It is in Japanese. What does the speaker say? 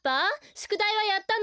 しゅくだいはやったの？